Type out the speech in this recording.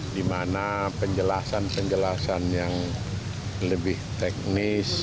di mana penjelasan penjelasan yang lebih teknis